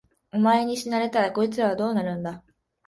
お前に死なれたら、こいつらはどうなるんだ。